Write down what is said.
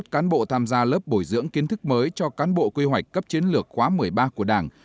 hai mươi cán bộ tham gia lớp bồi dưỡng kiến thức mới cho cán bộ quy hoạch cấp chiến lược khóa một mươi ba của đảng